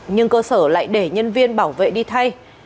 nhưng cơ sở lại để nhân viên bảo vệ đi thay